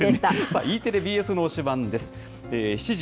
Ｅテレ、ＢＳの推しバン！です。